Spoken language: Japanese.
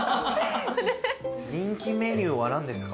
人気メニューは何ですか？